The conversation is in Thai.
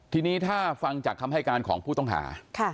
ทีนี้ถ้าฟังจากคำให้การของผู้ต้องหา